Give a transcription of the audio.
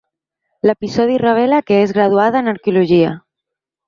L'episodi revela que és graduada en Arqueologia.